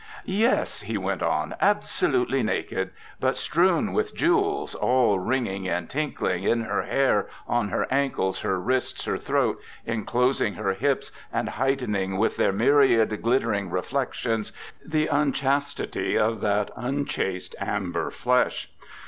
"Yes," he went on, "absolutely naked. But strewn with jewels, all ringing and tinkling in her hair, on her ankles, her wrists, her throat, enclosing her hips and heightening with their myriad glittering reflections the unchastity of that unchaste amber flesh.